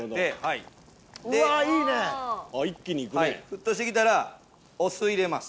沸騰してきたらお酢入れます。